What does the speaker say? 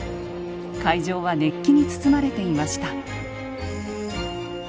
会場は熱気に包まれていました。